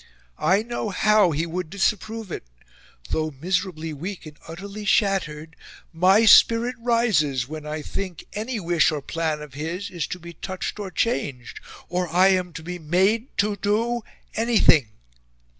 I know HOW he would disapprove it... Though miserably weak and utterly shattered, my spirit rises when I think ANY wish or plan of his is to be touched or changed, or I am to be MADE TO DO anything."